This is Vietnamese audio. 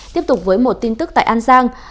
tiếp tục với một tin tức tại an giang